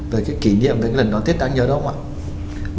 về cái kỷ niệm về cái lần đón tết đáng nhớ đúng không ạ